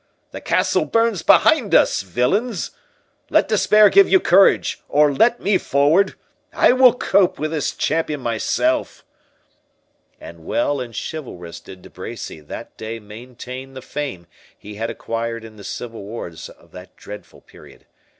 —the castle burns behind us, villains!—let despair give you courage, or let me forward! I will cope with this champion myself." And well and chivalrous did De Bracy that day maintain the fame he had acquired in the civil wars of that dreadful period.